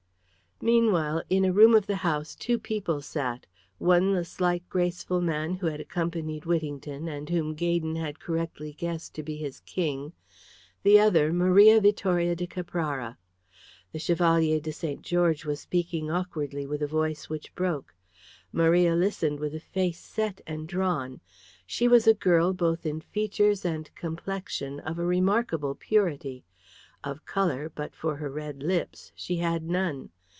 Meanwhile, in a room of the house two people sat, one the slight, graceful man who had accompanied Whittington and whom Gaydon had correctly guessed to be his King, the other, Maria Vittoria de Caprara. The Chevalier de St. George was speaking awkwardly with a voice which broke. Maria listened with a face set and drawn. She was a girl both in features and complexion of a remarkable purity. Of colour, but for her red lips, she had none.